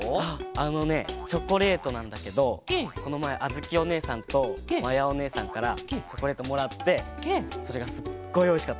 あのねチョコレートなんだけどこのまえあづきおねえさんとまやおねえさんからチョコレートもらってそれがすっごいおいしかった。